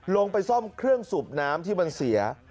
ลงไปซ่อมเครื่องสูบน้ำที่มันเสีย